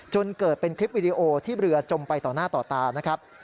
จนเกิดเป็นคลิปวิดีโอที่เรือจมไปต่อหน้าต่อตานะครับ